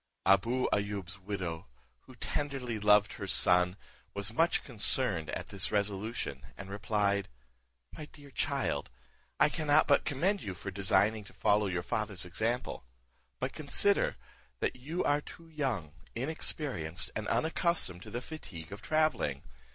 Abou Ayoub's widow, who tenderly loved her son, was much concerned at this resolution, and replied, "My dear child, I cannot but commend you for designing to follow your father's example; but consider, that you are too young, inexperienced, and unaccustomed to the fatigue of travelling.